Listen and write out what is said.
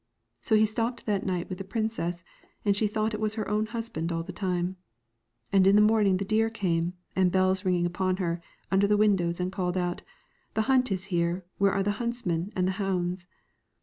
So he stopped that night with the princess, and she thought it was her own husband all the time. And in the morning the deer came, and bells ringing on her, under the windows, and called out, ' The hunt is here, where are the huntsmen and the hounds